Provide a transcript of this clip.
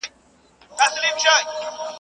په دربار کي مي تر تا نسته ښاغلی.